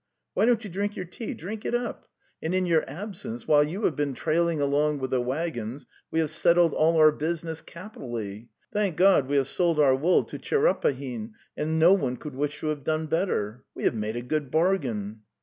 Why don't you drink your tea? Drink it up; and in your absence, while you have been trailing along with the waggons, we have settled all our business capitally. Thank God we have sold our wool to Tcherepahin, and no one could wish to have done better. ... We have made a good bargain."